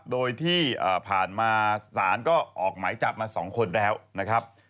โดยที่ผ่านมาศาลก็ออกหมายจับมา๒คนแล้วนะครับ